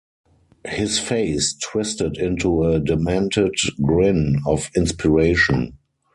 His face twisted into a demented grin of inspiration.